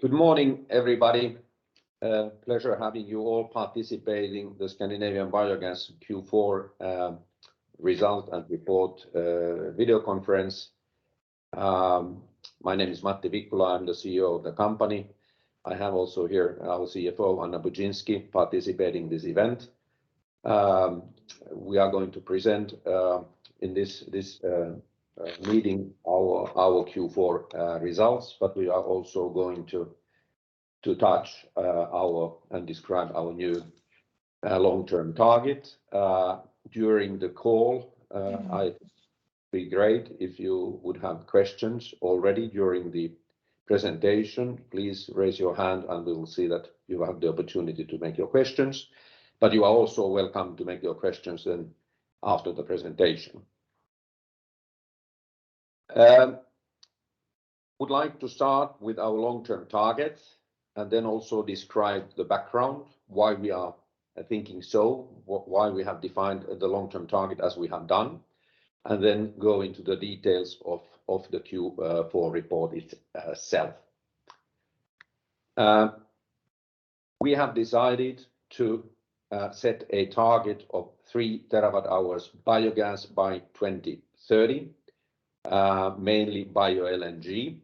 Good morning, everybody. pleasure having you all participating the Scandinavian Biogas Q4 result and report video conference. My name is Matti Vikkula. I'm the CEO of the company. I have also here our CFO, Anna Budzynski, participating this event. We are going to present in this meeting our Q4 results, but we are also going to touch and describe our new long-term target. During the call, I'd be great if you would have questions already during the presentation. Please raise your hand and we will see that you have the opportunity to make your questions. You are also welcome to make your questions then after the presentation. Would like to start with our long-term targets and then also describe the background, why we are thinking so, why we have defined the long-term target as we have done, and then go into the details of the Q4 report itself. We have decided to set a target of 3 TWh biogas by 2030, mainly bioLNG.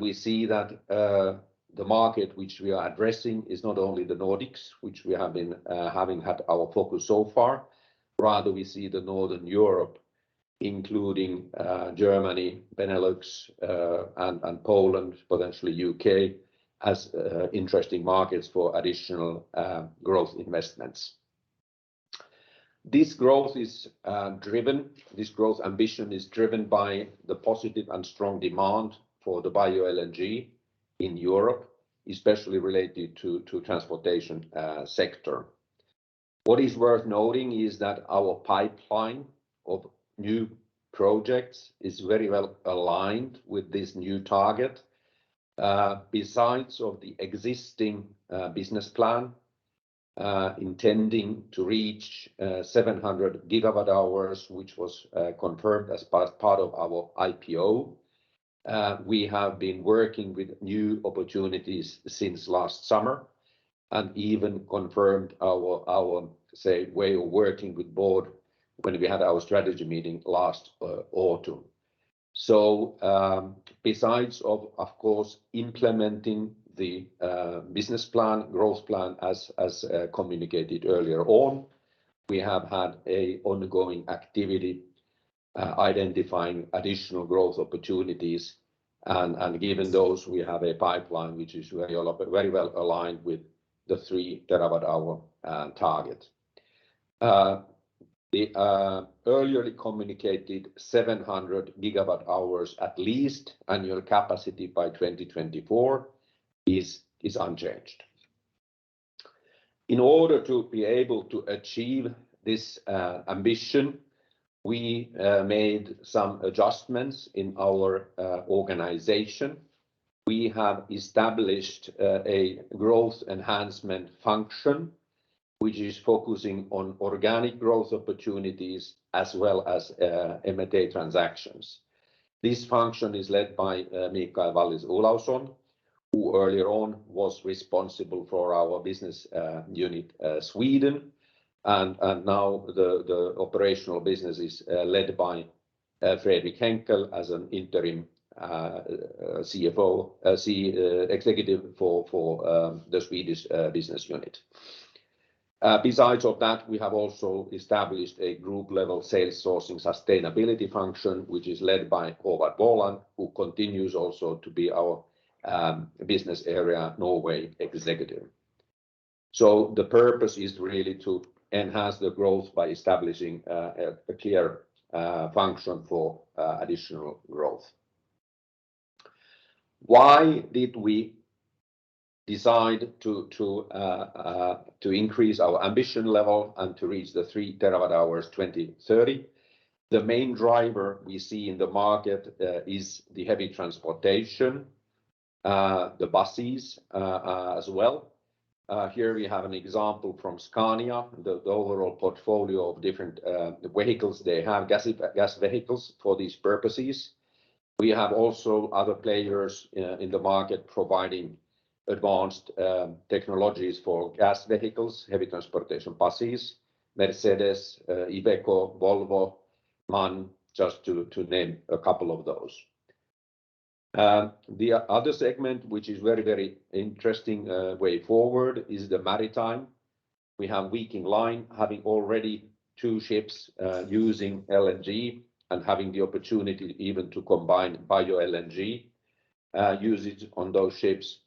We see that the market which we are addressing is not only the Nordics, which we have been having had our focus so far. Rather, we see the Northern Europe, including Germany, Benelux, and Poland, potentially U.K., as interesting markets for additional growth investments. This growth ambition is driven by the positive and strong demand for the bioLNG in Europe, especially related to transportation sector. What is worth noting is that our pipeline of new projects is very well aligned with this new target. Besides of the existing business plan, intending to reach 700 GWh, which was confirmed as part of our IPO, we have been working with new opportunities since last summer and even confirmed our say, way of working with board when we had our strategy meeting last autumn. Besides of course, implementing the business plan, growth plan as communicated earlier on, we have had an ongoing activity identifying additional growth opportunities and given those, we have a pipeline which is very well aligned with the 3 TWh target. The earlier communicated 700 GWh at least annual capacity by 2024 is unchanged. In order to be able to achieve this ambition, we made some adjustments in our organization. We have established a growth enhancement function, which is focusing on organic growth opportunities as well as M&A transactions. This function is led by Mikael Wallis Olausson, who earlier on was responsible for our business unit Sweden. Now the operational business is led by Fredrik Henkel as an interim CFO executive for the Swedish business unit. Besides of that, we have also established a group level sales sourcing sustainability function, which is led by Håvard Boland, who continues also to be our business area Norway executive. The purpose is really to enhance the growth by establishing a clear function for additional growth. Why did we decide to increase our ambition level and to reach the 3 TWh 2030? The main driver we see in the market is the heavy transportation, the buses as well. Here we have an example from Scania, the overall portfolio of different vehicles. They have gas vehicles for these purposes. We have also other players in the market providing advanced technologies for gas vehicles, heavy transportation buses, Mercedes-Benz, Iveco, Volvo, MAN, just to name a couple of those. The other segment, which is very interesting way forward is the maritime. We have Viking Line having already two ships, using LNG and having the opportunity even to combine bioLNG usage on those ships.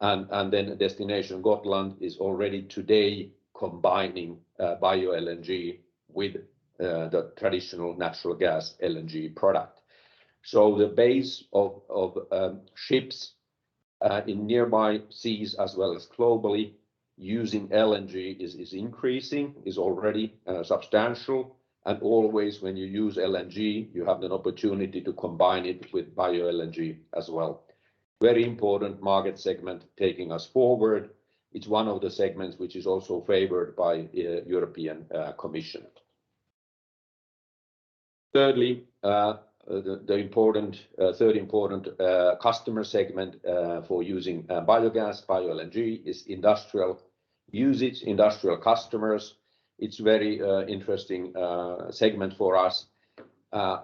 Destination Gotland is already today combining bioLNG with the traditional natural gas LNG product. The base of ships in nearby seas as well as globally using LNG is increasing, is already substantial. Always when you use LNG, you have the opportunity to combine it with bioLNG as well. Very important market segment taking us forward. It's one of the segments which is also favored by the European Commission. Thirdly, the important third important customer segment for using biogas, bioLNG is industrial usage, industrial customers. It's very interesting segment for us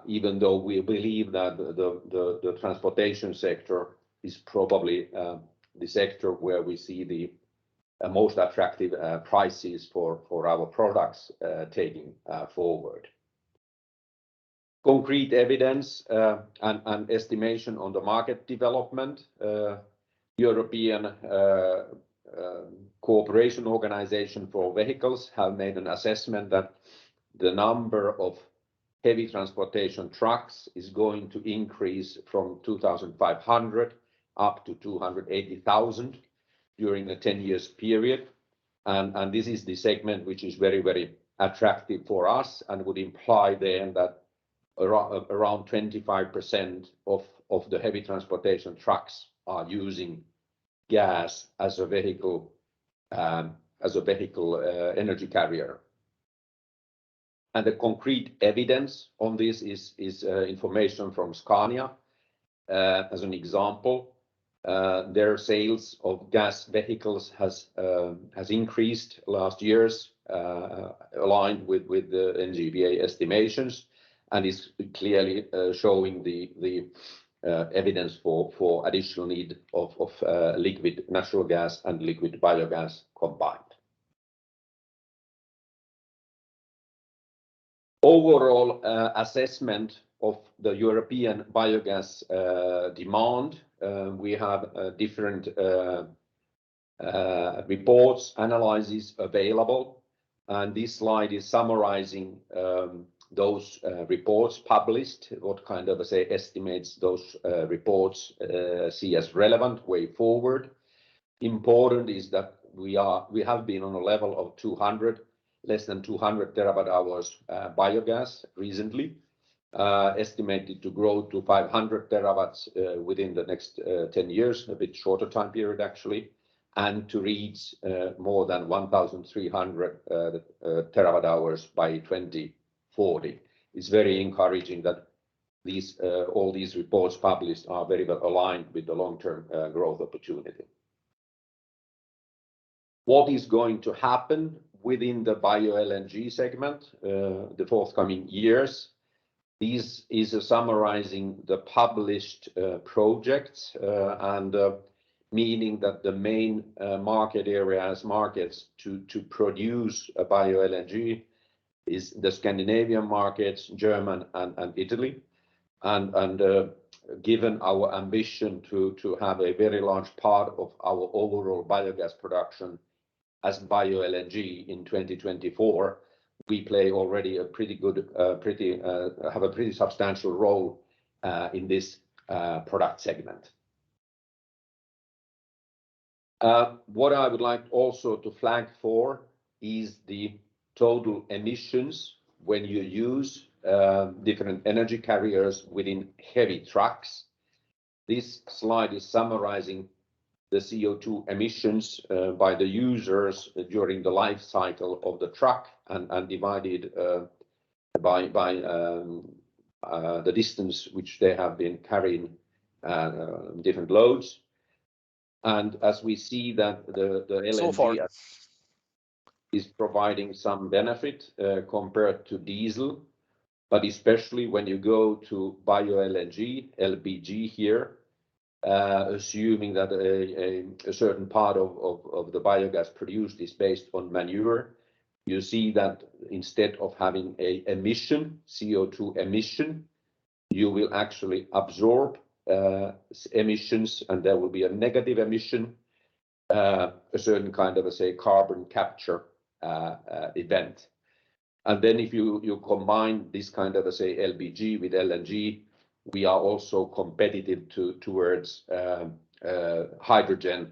even though we believe that the transportation sector is probably the sector where we see the most attractive prices for our products taking forward. Concrete evidence and estimation on the market development. European cooperation organization for vehicles have made an assessment that the number of heavy transportation trucks is going to increase from 2,500 up to 280,000 during the 10 years period. This is the segment which is very attractive for us and would imply then that around 25% of the heavy transportation trucks are using gas as a vehicle energy carrier. The concrete evidence on this is information from Scania as an example. Their sales of gas vehicles has increased last years, aligned with the NGVA estimations and is clearly showing the evidence for additional need of liquid natural gas and liquid biogas combined. Overall assessment of the European biogas demand, we have different reports, analyses available. This slide is summarizing those reports published, what kind of, say, estimates those reports see as relevant way forward. Important is that we have been on a level of 200, less than 200 TWh biogas recently, estimated to grow to 500 TWh within the next 10 years, a bit shorter time period actually, and to reach more than 1,300 TWh by 2040. It's very encouraging that these all these reports published are very well aligned with the long-term growth opportunity. What is going to happen within the bioLNG segment the forthcoming years? This is summarizing the published projects and meaning that the main market areas, markets to produce a bioLNG is the Scandinavian markets, German and Italy. given our ambition to have a very large part of our overall biogas production as bioLNG in 2024, we play already a pretty substantial role in this product segment. What I would like also to flag for is the total emissions when you use different energy carriers within heavy trucks. This slide is summarizing the CO2 emissions by the users during the life cycle of the truck and divided by the distance which they have been carrying different loads. As we see that the LNG so far is providing some benefit compared to diesel, but especially when you go to bioLNG, LBG here, assuming that a certain part of the biogas produced is based on manure, you see that instead of having a emission, CO2 emission, you will actually absorb emissions, and there will be a negative emission, a certain kind of, let's say, carbon capture event. If you combine this kind of, let's say, LBG with LNG, we are also competitive towards hydrogen,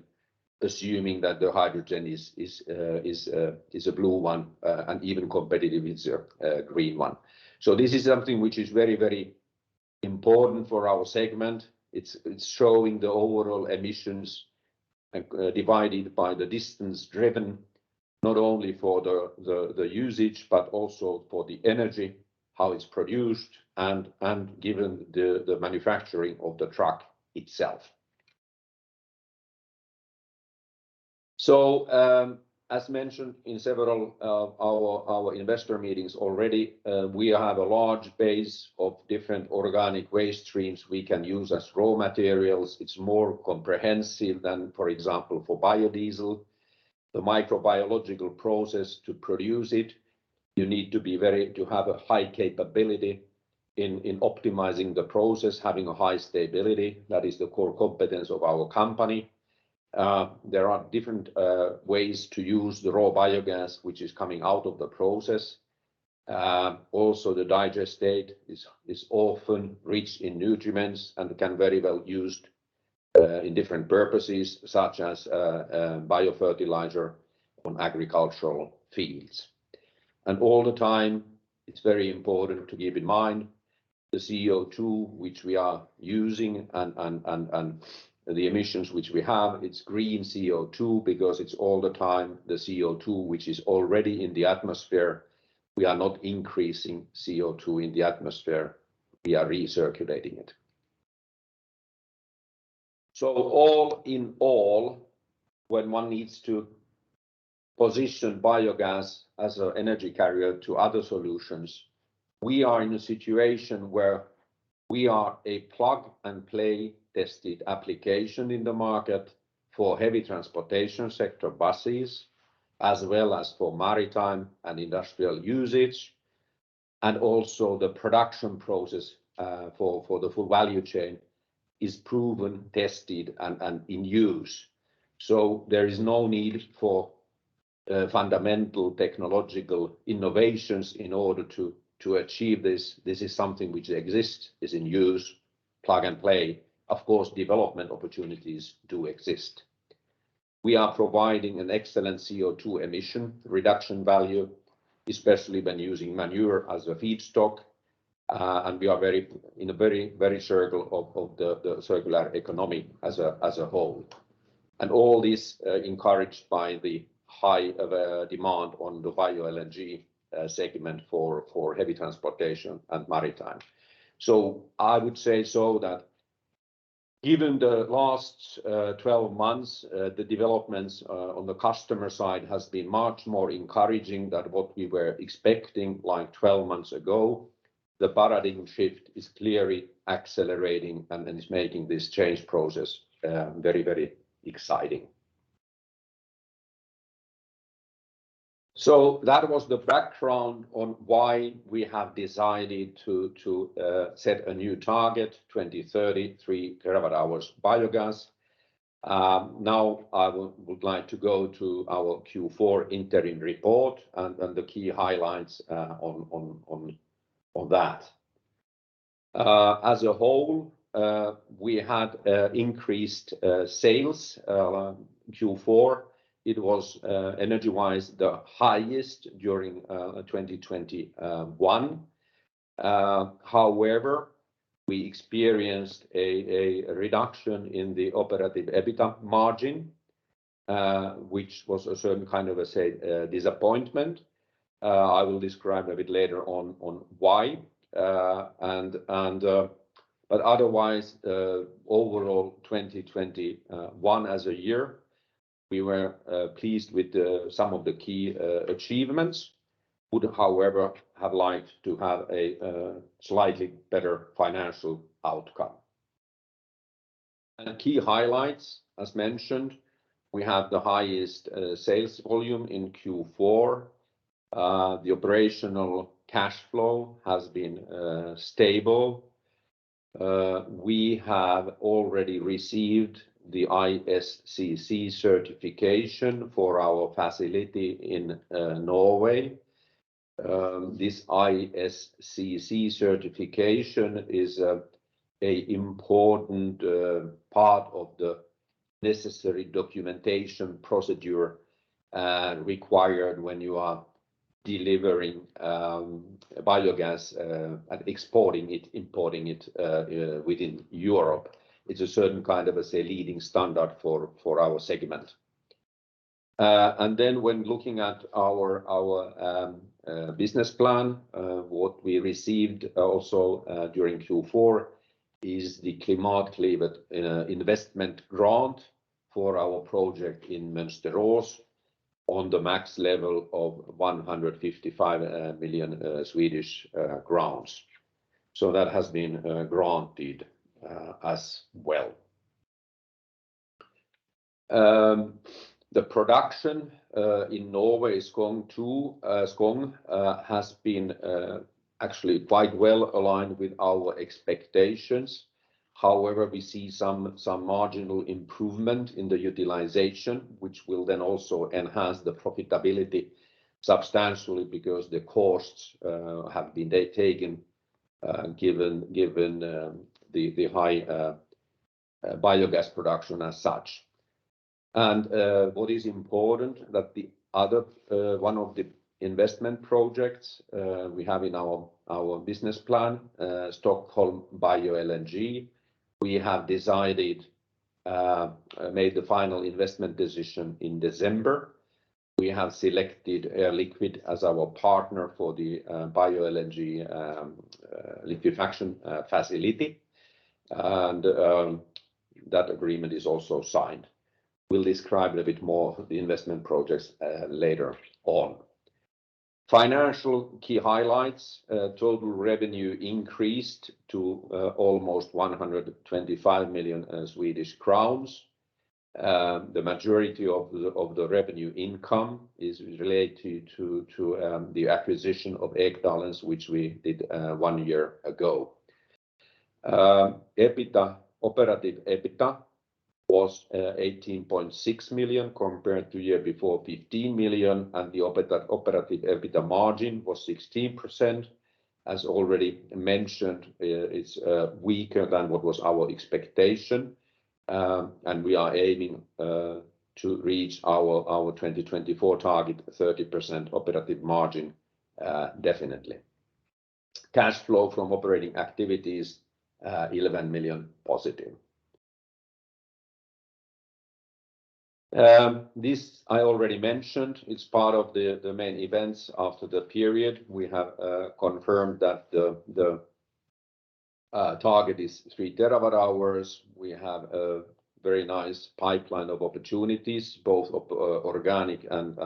assuming that the hydrogen is a blue one, and even competitive with the green one. This is something which is very important for our segment. It's showing the overall emissions divided by the distance driven, not only for the usage, but also for the energy, how it's produced, and given the manufacturing of the truck itself. As mentioned in several of our investor meetings already, we have a large base of different organic waste streams we can use as raw materials. It's more comprehensive than, for example, for biodiesel. The microbiological process to produce it, you need to have a high capability in optimizing the process, having a high stability. That is the core competence of our company. There are different ways to use the raw biogas which is coming out of the process. Also the digestate is often rich in nutrients and can very well used in different purposes such as biofertilizer on agricultural fields. All the time, it's very important to keep in mind the CO2 which we are using and the emissions which we have, it's green CO2 because it's all the time the CO2 which is already in the atmosphere. We are not increasing CO2 in the atmosphere, we are recirculating it. All in all, when one needs to position biogas as an energy carrier to other solutions, we are in a situation where we are a plug-and-play tested application in the market for heavy transportation sector buses, as well as for maritime and industrial usage. Also the production process, for the full value chain is proven, tested, and in use. There is no need for fundamental technological innovations in order to achieve this. This is something which exists, is in use, plug and play. Of course, development opportunities do exist. We are providing an excellent CO2 emission reduction value, especially when using manure as a feedstock. We are in a very circle of the circular economy as a whole. All this, encouraged by the high of a demand on the bioLNG segment for heavy transportation and maritime. I would say so that given the last 12 months, the developments on the customer side has been much more encouraging than what we were expecting like 12 months ago. The paradigm shift is clearly accelerating, and it's making this change process very, very exciting. That was the background on why we have decided to set a new target, 2033 TWh biogas. Now I would like to go to our Q4 interim report and the key highlights on that. As a whole, we had increased sales Q4. It was energy-wise, the highest during 2021. However, we experienced a reduction in the operating EBITDA margin, which was a certain kind of, let's say, disappointment. I will describe a bit later on why. Otherwise, overall, 2021 as a year, we were pleased with some of the key achievements. Would, however, have liked to have a slightly better financial outcome. Key highlights, as mentioned, we have the highest sales volume in Q4. The operational cash flow has been stable. We have already received the ISCC certification for our facility in Norway. This ISCC certification is an important part of the necessary documentation procedure required when you are delivering biogas and exporting it, importing it within Europe. It's a certain kind of, let's say, leading standard for our segment. When looking at our business plan, what we received also during Q4 is the Klimatklivet investment grant for our project in Mönsterås on the max level of 155 million Swedish crowns. That has been granted as well. The production in Norway has been actually quite well aligned with our expectations. However, we see some marginal improvement in the utilization, which will then also enhance the profitability substantially because the costs have been taken given the high biogas production as such. What is important that the other one of the investment projects we have in our business plan, Stockholm bioLNG, we have decided, made the final investment decision in December. We have selected Air Liquide as our partner for the bioLNG liquefaction facility. That agreement is also signed. We'll describe a bit more the investment projects later on. Financial key highlights. Total revenue increased to almost 125 million Swedish crowns. The majority of the revenue income is related to the acquisition of Ekdalens, which we did one year ago. EBITDA, operating EBITDA was 18.6 million compared to year before, 15 million, and the operating EBITDA margin was 16%. As already mentioned, it's weaker than what was our expectation. We are aiming to reach our 2024 target, 30% operative margin, definitely. Cash flow from operating activities, 11 million positive. This I already mentioned, it's part of the main events after the period. We have confirmed that the target is 3 TWh. We have a very nice pipeline of opportunities, both of organic and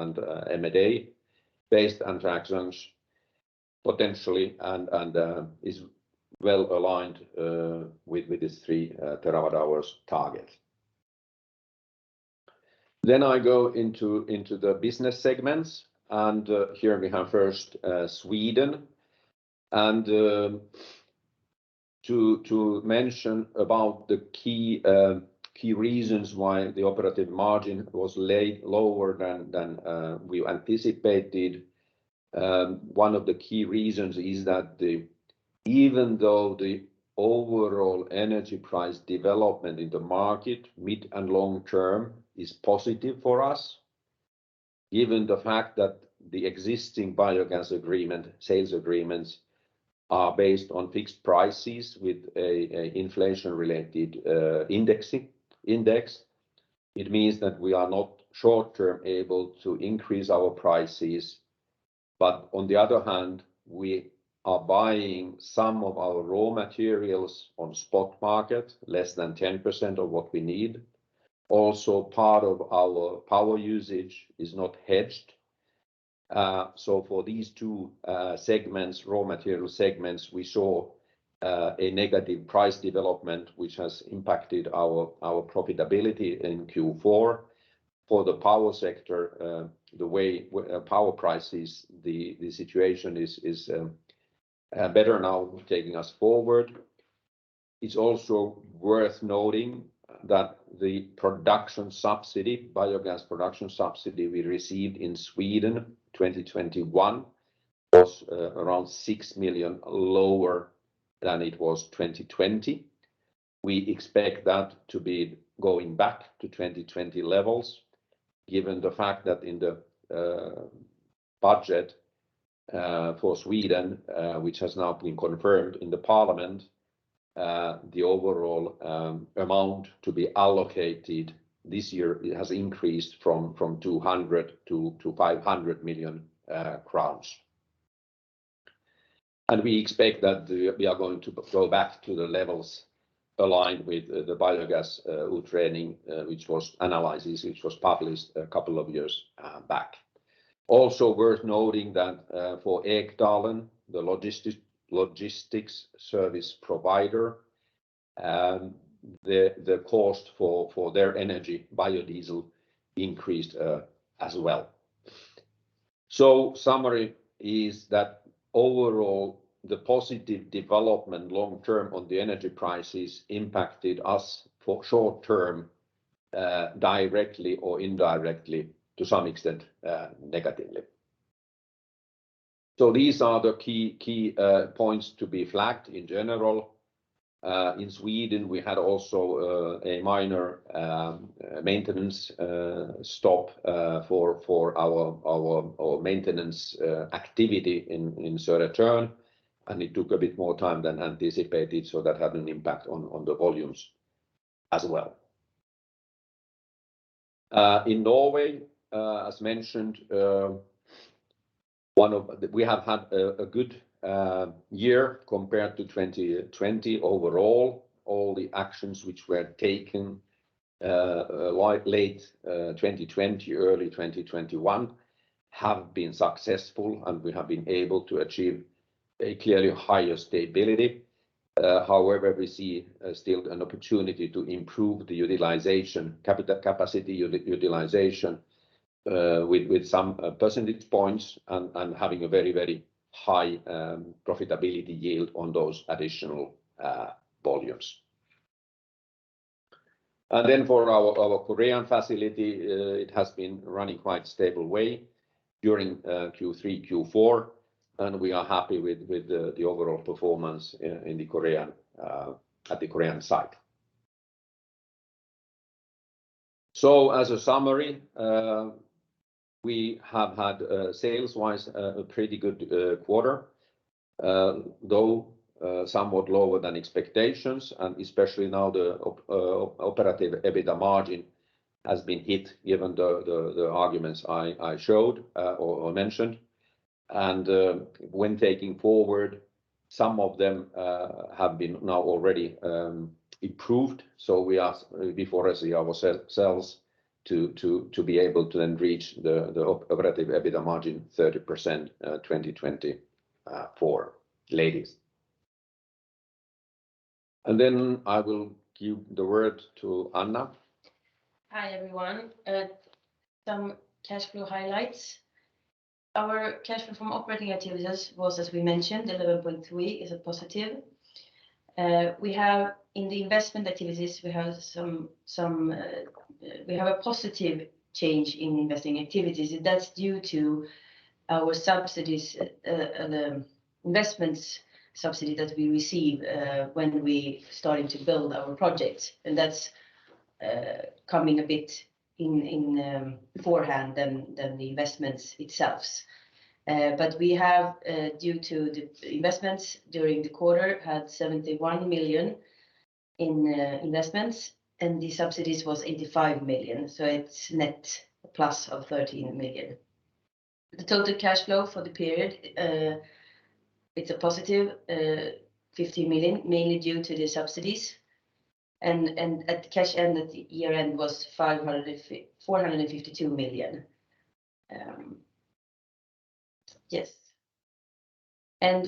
M&A-based transactions potentially and is well aligned with this 3 TWh target. I go into the business segments, here we have first Sweden. To mention about the key reasons why the operative margin was lower than we anticipated. One of the key reasons is that even though the overall energy price development in the market, mid and long term, is positive for us, given the fact that the existing biogas agreement, sales agreements, are based on fixed prices with a inflation-related indexing index, it means that we are not short-term able to increase our prices. On the other hand, we are buying some of our raw materials on spot market, less than 10% of what we need. Also, part of our power usage is not hedged. For these two segments, raw material segments, we saw a negative price development, which has impacted our profitability in Q4. For the power sector, the way power prices, the situation is better now taking us forward. It's also worth noting that the production subsidy, biogas production subsidy we received in Sweden 2021 was around 6 million lower than it was 2020. We expect that to be going back to 2020 levels, given the fact that in the budget for Sweden, which has now been confirmed in the parliament, the overall amount to be allocated this year has increased from 200 million to 500 million crowns. We expect that we are going to go back to the levels aligned with the Biogasutredningen, which was analyzed, which was published a couple of years back. Also worth noting that for Ekdalens, the logistics service provider, the cost for their energy biodiesel increased as well. Summary is that overall the positive development long term on the energy prices impacted us for short term, directly or indirectly to some extent, negatively. These are the key points to be flagged in general. In Sweden, we had also a minor maintenance stop for our maintenance activity in Södertörn, and it took a bit more time than anticipated, so that had an impact on the volumes as well. In Norway, as mentioned, We have had a good year compared to 2020 overall. All the actions which were taken late 2020, early 2021 have been successful, and we have been able to achieve a clearly higher stability. However, we see still an opportunity to improve the utilization, capital capacity utilization, with some percentage points and having a very, very high profitability yield on those additional volumes. For our Korean facility, it has been running quite stable way during Q3, Q4, and we are happy with the overall performance in the Korean at the Korean site. As a summary, we have had sales-wise a pretty good quarter, though somewhat lower than expectations, and especially now the operating EBITDA margin has been hit given the arguments I showed or mentioned. When taking forward. Some of them have been now already improved. We are before us, ourselves to be able to then reach the operating EBITDA margin 30%, 2024 ladies. I will give the word to Anna. Hi everyone. Some cash flow highlights. Our cash flow from operating activities was, as we mentioned, 11.3 is a positive. We have in the investment activities, we have some, we have a positive change in investing activities. That's due to our subsidies, the investments subsidy that we receive, when we starting to build our projects. That's coming a bit in beforehand than the investments itself. But we have, due to the investments during the quarter had 71 million in investments, and the subsidies was 85 million. It's net plus of 13 million. The total cash flow for the period, it's a +50 million, mainly due to the subsidies. At cash end, at the year-end was 452 million. Yes.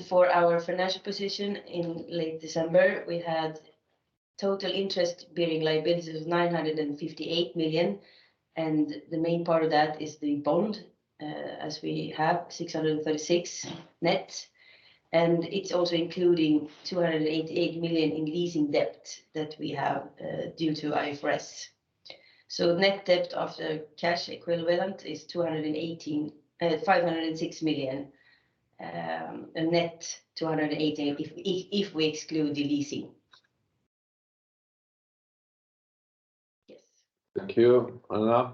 For our financial position in late December, we had total interest-bearing liabilities of 958 million, and the main part of that is the bond, as we have 636 net. It's also including 288 million in leasing debt that we have due to IFRS. Net debt of the cash equivalent is 218, 506 million, net 218 if we exclude the leasing. Yes. Thank you, Anna.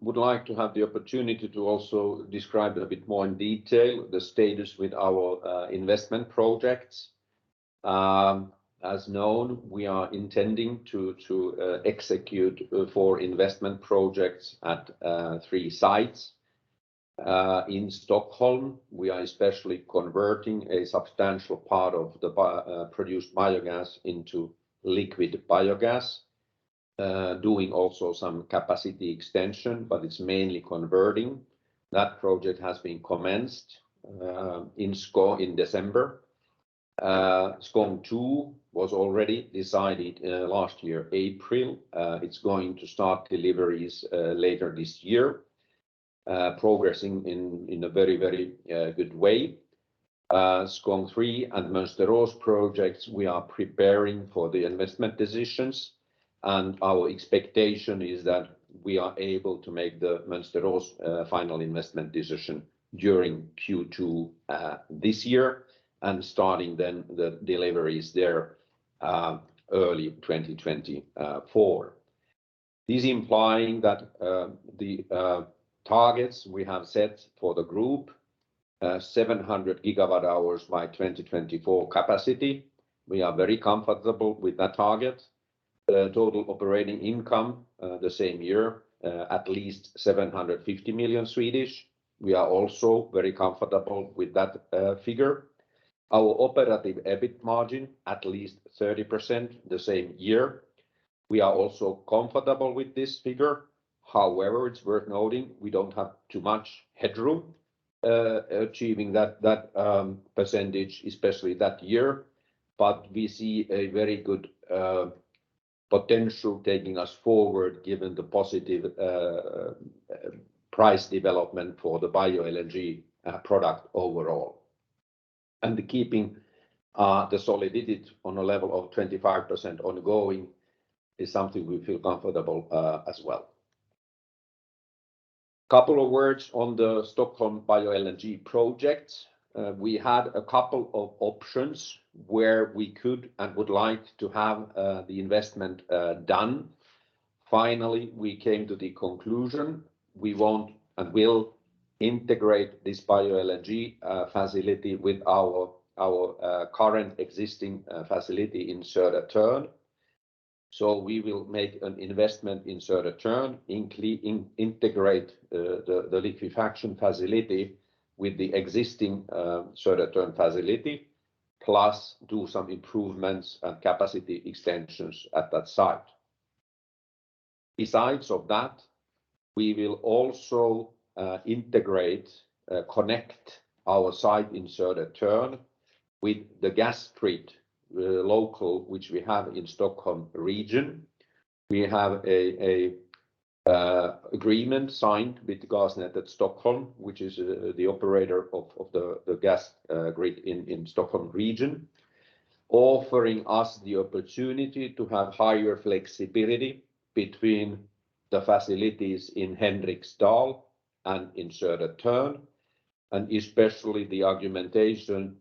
Would like to have the opportunity to also describe a bit more in detail the status with our investment projects. As known, we are intending to execute four investment projects at three sites. In Stockholm, we are especially converting a substantial part of the produced biogas into liquid biogas, doing also some capacity extension, but it's mainly converting. That project has been commenced in December. Skåne two was already decided last year, April. It's going to start deliveries later this year, progressing in a very, very good way. Skåne three and Mönsterås projects, we are preparing for the investment decisions, and our expectation is that we are able to make the Mönsterås final investment decision during Q2 this year and starting then the deliveries there early 2024. This implying that the targets we have set for the group, 700 GWh by 2024 capacity. We are very comfortable with that target. The total operating income the same year, at least 750 million, we are also very comfortable with that figure. Our operative EBIT margin, at least 30% the same year, we are also comfortable with this figure. It's worth noting we don't have too much headroom achieving that percentage, especially that year. We see a very good potential taking us forward given the positive price development for the bioenergy product overall. Keeping the solidity on a level of 25% ongoing is something we feel comfortable as well. Couple of words on the Stockholm bioLNG projects. We had a couple of options where we could and would like to have the investment done. Finally, we came to the conclusion we want and will integrate this bioenergy facility with our current existing facility in Södertörn. We will make an investment in Södertörn, integrate the liquefaction facility with the existing Södertörn facility, plus do some improvements and capacity extensions at that site. Besides of that, we will also integrate, connect our site in Södertörn with the gas grid, local which we have in Stockholm region. We have an agreement signed with Gasnätet Stockholm, which is the operator of the gas grid in Stockholm region, offering us the opportunity to have higher flexibility between the facilities in Henriksdal and in Södertörn, and especially the argumentation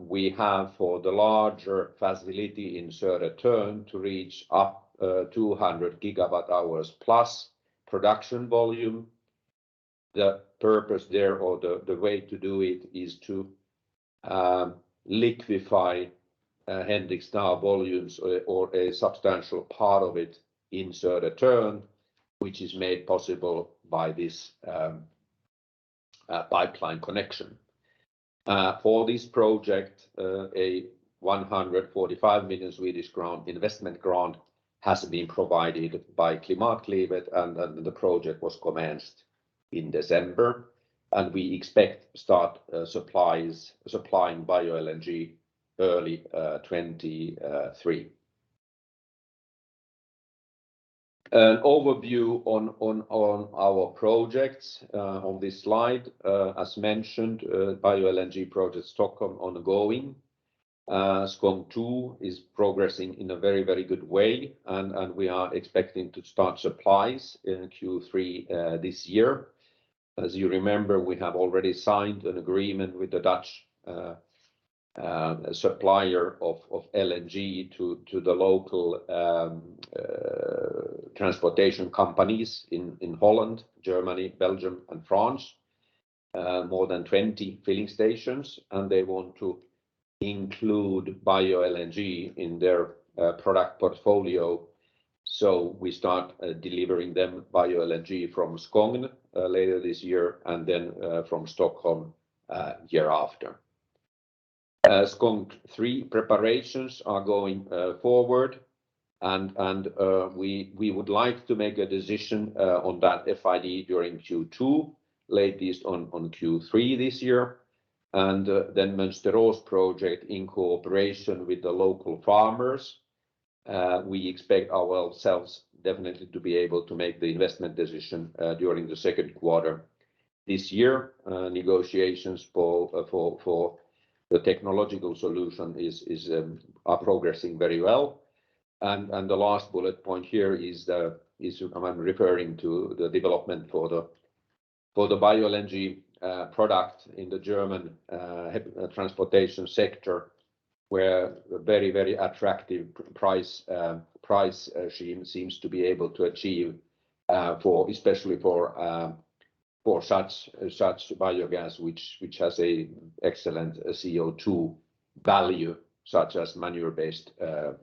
we have for the larger facility in Södertörn to reach up 200+ GWh production volume. The purpose there or the way to do it is to liquefy Henriksdal volumes or a substantial part of it in Södertörn, which is made possible by this pipeline connection. For this project, a 145 million Swedish crown investment grant has been provided by Klimatklivet and then the project was commenced in December, and we expect to start supplying bioLNG early 2023. An overview on our projects on this slide. As mentioned, bioLNG project Stockholm ongoing. Skogn II is progressing in a very good way and we are expecting to start supplies in Q3 this year. As you remember, we have already signed an agreement with the Dutch supplier of LNG to the local transportation companies in Holland, Germany, Belgium and France. More than 20 filling stations and they want to include bioLNG in their product portfolio. We start delivering them bioLNG from Skogn later this year and then from Stockholm year after. Skogn II preparations are going forward and we would like to make a decision on that FID during Q2, latest on Q3 this year. Mönsterås project in cooperation with the local farmers. We expect ourselves definitely to be able to make the investment decision during the second quarter this year. Negotiations for the technological solution is progressing very well. The last bullet point here is I'm referring to the development for the bioLNG product in the German transportation sector, where a very attractive price regime seems to be able to achieve for especially for such biogas which has a excellent CO2 value, such as manure-based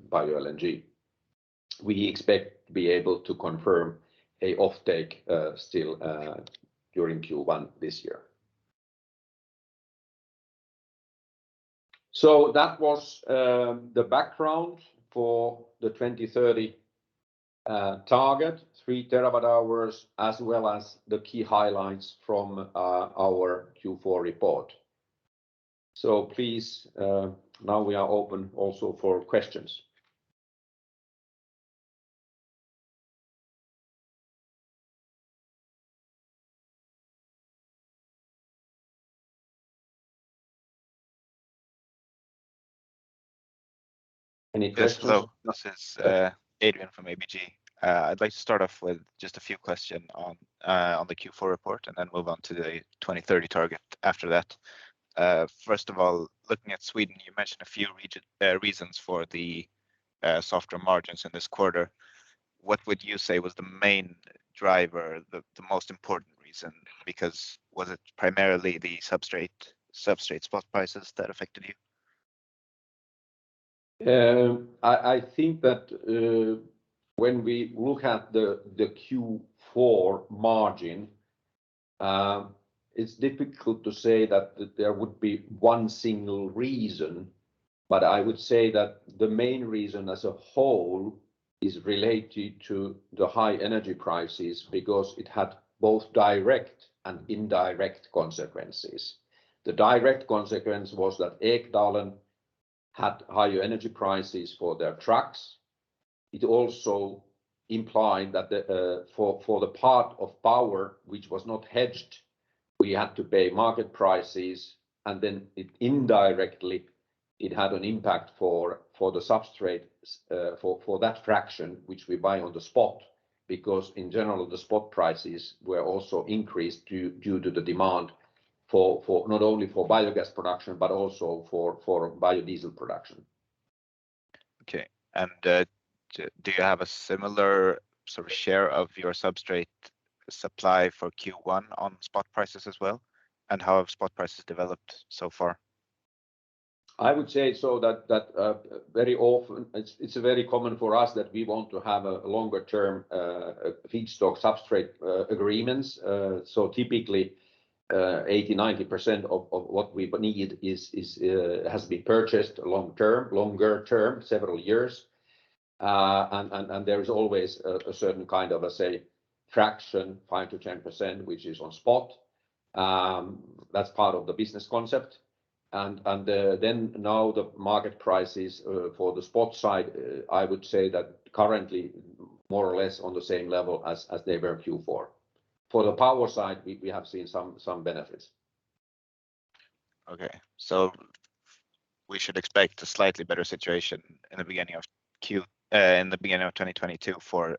bioLNG. We expect to be able to confirm a offtake still during Q1 this year. That was the background for the 2030 target, 3 TWh, as well as the key highlights from our Q4 report. Please, now we are open also for questions. Any Questions? Yes, hello. This is Adrian from ABG. I'd like to start off with just a few question on the Q4 report and then move on to the 2030 target after that. First of all, looking at Sweden, you mentioned a few reasons for the softer margins in this quarter. What would you say was the main driver, the most important reason? Was it primarily the substrate spot prices that affected you? I think that when we look at the Q4 margin, it's difficult to say that there would be one single reason. I would say that the main reason as a whole is related to the high energy prices because it had both direct and indirect consequences. The direct consequence was that Ekdalen had higher energy prices for their trucks. It also implied that for the part of power which was not hedged, we had to pay market prices. It indirectly it had an impact for the substrate, for that fraction which we buy on the spot, because in general the spot prices were also increased due to the demand for not only for biogas production, but also for biodiesel production. Okay. Do you have a similar sort of share of your substrate supply for Q1 on spot prices as well? How have spot prices developed so far? I would say so that very often it's very common for us that we want to have a longer term feedstock substrate agreements. Typically 80%-90% of what we need is has to be purchased long term, longer term, several years. There is always a certain kind of, let's say, fraction, 5%-10%, which is on spot. That's part of the business concept. Then now the market prices for the spot side, I would say that currently more or less on the same level as they were Q4. For the power side, we have seen some benefits. Okay. We should expect a slightly better situation in the beginning of 2022 for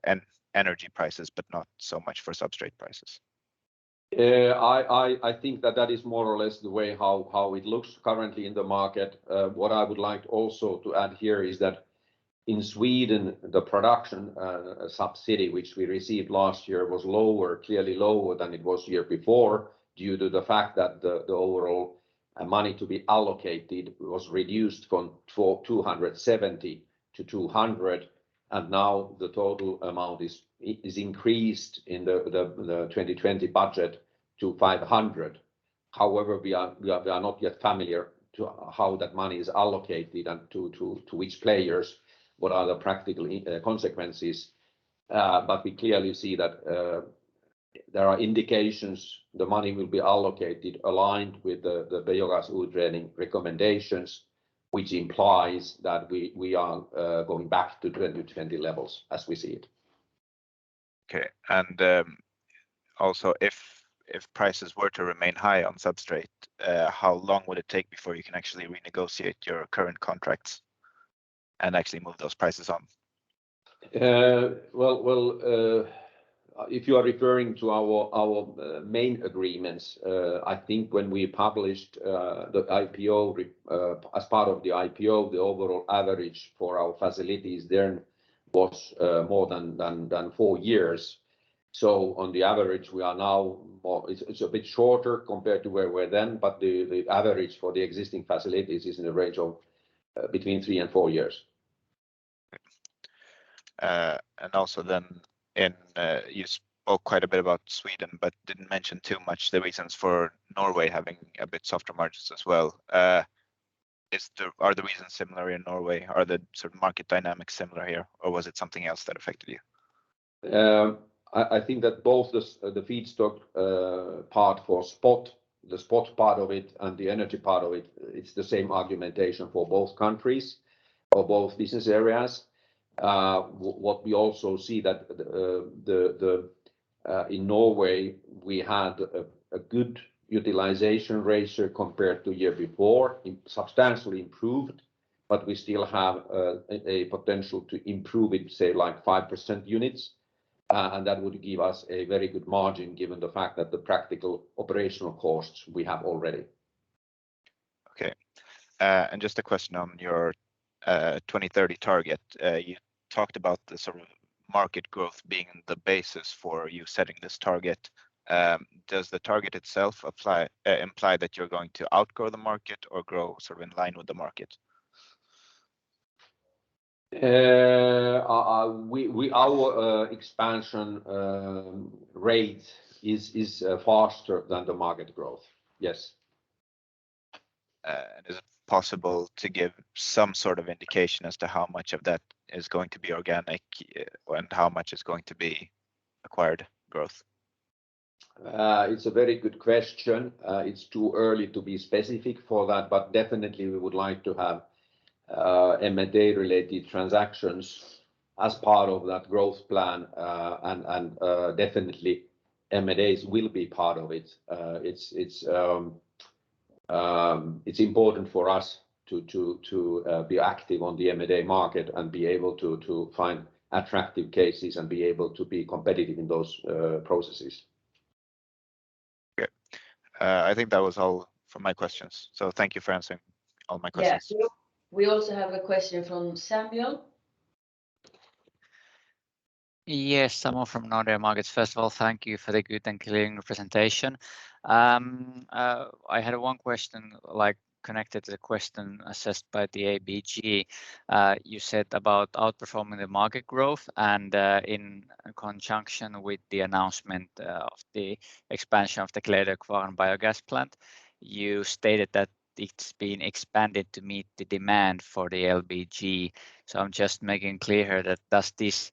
energy prices, but not so much for substrate prices. I think that that is more or less the way how it looks currently in the market. What I would like also to add here is that in Sweden, the production subsidy which we received last year was lower, clearly lower than it was year before due to the fact that the overall money to be allocated was reduced from 270 to 200, and now the total amount is increased in the 2020 budget to 500. We are not yet familiar to how that money is allocated and to which players, what are the practical consequences. We clearly see that there are indications the money will be allocated aligned with the Biogasutredningen recommendations, which implies that we are going back to 2020 levels as we see it. Okay. Also if prices were to remain high on substrate, how long would it take before you can actually renegotiate your current contracts and actually move those prices on? Well, if you are referring to our main agreements, I think when we published the IPO as part of the IPO, the overall average for our facilities then was more than four years. On the average, we are now more... It's a bit shorter compared to where we were then, but the average for the existing facilities is in a range of between three and four years. Also then, you spoke quite a bit about Sweden but didn't mention too much the reasons for Norway having a bit softer margins as well. Are the reasons similar in Norway? Are the sort of market dynamics similar here, or was it something else that affected you? I think that both the feedstock part for spot, the spot part of it and the energy part of it's the same argumentation for both countries or both business areas. What we also see that in Norway we had a good utilization ratio compared to year before. It substantially improved, but we still have a potential to improve it, say like 5% units, and that would give us a very good margin given the fact that the practical operational costs we have already. Okay. Just a question on your 2030 target. You talked about the sort of market growth being the basis for you setting this target. Does the target itself apply, imply that you're going to outgrow the market or grow sort of in line with the market? Our expansion rate is faster than the market growth. Yes. Is it possible to give some sort of indication as to how much of that is going to be organic and how much is going to be acquired growth? It's a very good question. It's too early to be specific for that, but definitely we would like to have M&A-related transactions as part of that growth plan. Definitely M&As will be part of it. It's important for us to be active on the M&A market and be able to find attractive cases and be able to be competitive in those processes. I think that was all for my questions. Thank you for answering all my questions. Yeah. We also have a question from Samuel. Yes, Samuel from Nordea Markets. First of all, thank you for the good and clear presentation. I had one question like connected to the question asked by the ABG. You said about outperforming the market growth, and in conjunction with the announcement of the expansion of the Klerkrone biogas plant, you stated that it's been expanded to meet the demand for the LBG. I'm just making clear here that does this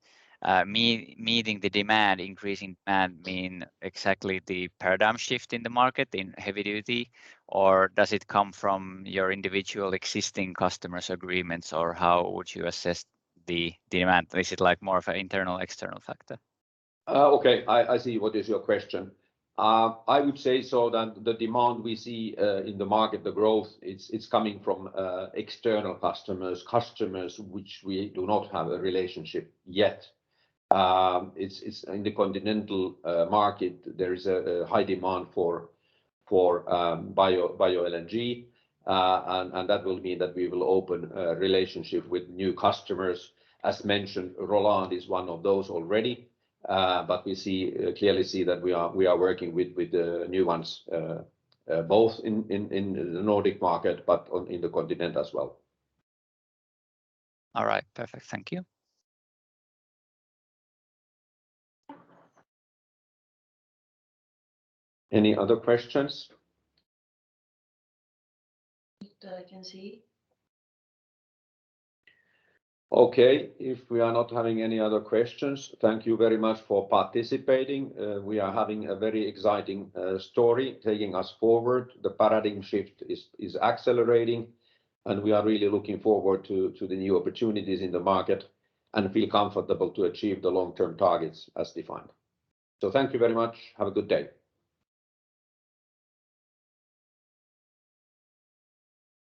mean meeting the demand, increasing demand mean exactly the paradigm shift in the market in heavy duty, or does it come from your individual existing customers' agreements, or how would you assess the demand? Is it like more of an internal or external factor? Okay. I see what is your question. I would say the demand we see in the market, the growth, it's coming from external customers which we do not have a relationship yet. It's in the continental market there is a high demand for bioLNG. That will mean that we will open a relationship with new customers. As mentioned, Rolande is one of those already. We clearly see that we are working with the new ones, both in the Nordic market but also in the continent as well. All right. Perfect. Thank you. Any other questions? Not I can see. Okay. If we are not having any other questions, thank you very much for participating. We are having a very exciting story taking us forward. The paradigm shift is accelerating, and we are really looking forward to the new opportunities in the market and feel comfortable to achieve the long-term targets as defined. Thank you very much. Have a good day.